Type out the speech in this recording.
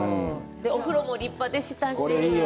お風呂も立派でしたし。